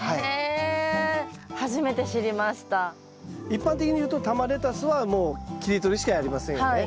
一般的にいうと玉レタスはもう切り取りしかやりませんよね。